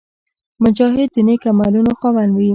مجاهد د نېک عملونو خاوند وي.